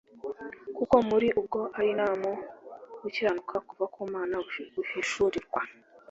kuko muri bwo ari na mo gukiranuka kuva ku Mana guhishurirwa